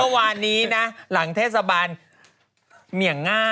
วันวานนี้หลังเทศบาลเมียง่า